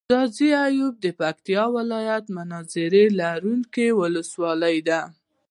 ځاځي اريوب د پکتيا ولايت منظره لرونکي ولسوالي ده.